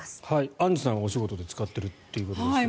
アンジュさん、お仕事で使っているということですが。